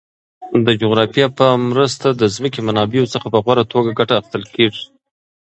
د جغرافیه په مرسته د ځمکې منابعو څخه په غوره توګه ګټه اخیستل کیږي.